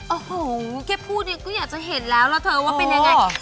โอ้โหแค่พูดเนี่ยก็อยากจะเห็นแล้วล่ะเธอว่าเป็นยังไง